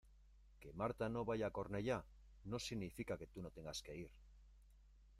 Que Marta no vaya a Cornellá no significa que tú no tengas que ir.